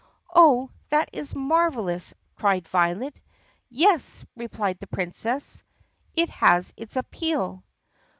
"Oh, that is marvelous!" cried Violet. "Yes," replied the Princess, "it has its appeal."